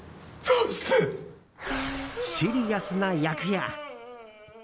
シリアスな役や。